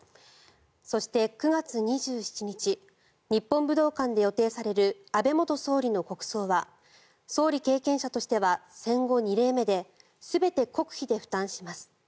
そして、９月２７日日本武道館で予定される安倍元総理の国葬は総理経験者としては戦後２例目で全て国費で負担します。